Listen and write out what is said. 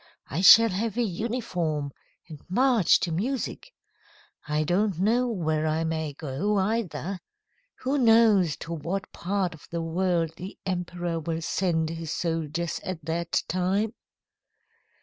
I shall have a uniform, and march to music. I don't know where I may go, either. Who knows to what part of the world the emperor will send his soldiers at that time?"